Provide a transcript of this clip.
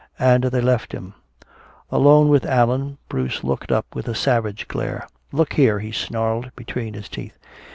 And they left him. Alone with Allan, Bruce looked up with a savage glare. "Look here!" he snarled, between his teeth.